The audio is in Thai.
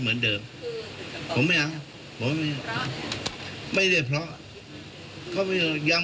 ไม่ได้มีอะไรไม่ได้เป็นนโยบาย